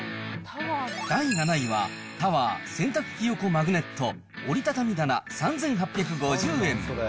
第７位は、タワー洗濯機横マグネット折り畳み棚３８５０円。